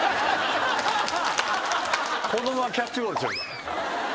子供キャッチボールしてるんすか？